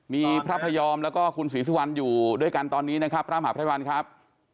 มีพระพยอมแล้วก็คุณศรีสุวรรณอยู่ด้วยกันตอนนี้นะครับพระมหาภัยวันครับ